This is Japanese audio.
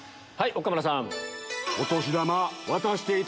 はい岡村さん。